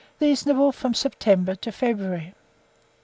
Seasonable from September to February.